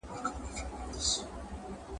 خو خدای دي وکړي چي ,